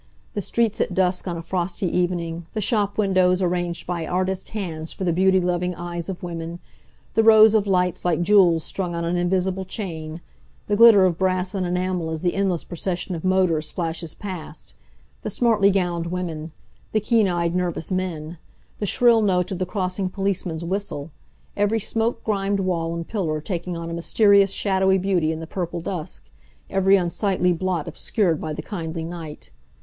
The streets at dusk on a frosty evening; the shop windows arranged by artist hands for the beauty loving eyes of women; the rows of lights like jewels strung on an invisible chain; the glitter of brass and enamel as the endless procession of motors flashes past; the smartly gowned women; the keen eyed, nervous men; the shrill note of the crossing policeman's whistle; every smoke grimed wall and pillar taking on a mysterious shadowy beauty in the purple dusk, every unsightly blot obscured by the kindly night.